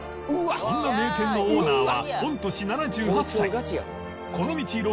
そんな名店のオーナーは御年７８歳この道